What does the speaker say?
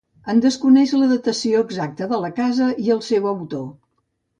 En desconeix la datació exacta de la casa i el seu autor.